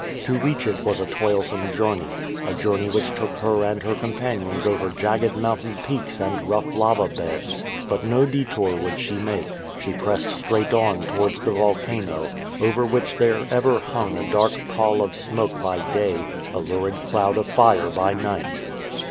To reach it was a toilsome journey — a journey which took her and her companions over jagged mountain peaks and rough lava beds. But no detour would she make. She pressed straight on towards the volcano, over which there ever hung a dark pall of smoke by day, a lurid cloud of fire by night.